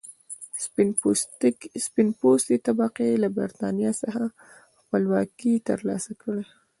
سپین پوستې طبقې له برېټانیا څخه خپلواکي تر لاسه کړه.